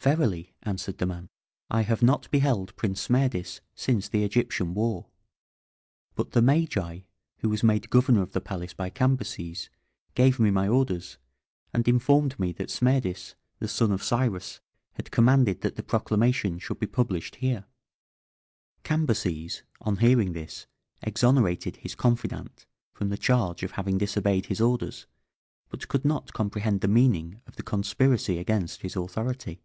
"Verily," answered the man, "I have not beheld Prince Smerdis since the Egyptian war; but the Magi, who was made governor of the palace by Cambyses, gave me my orders, and informed me that Smerdis, the son of Cyrus, had commanded that the proclamation should be published here." Cambyses, on hearing this, exonerated his confidant from the charge of having disobeyed his orders, but could not comprehend the meaning of the conspiracy against his authority.